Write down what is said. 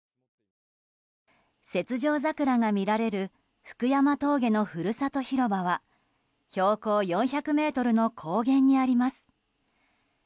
雪上桜が見られる福山峠のふるさと広場は標高４００ｍの高原にあります。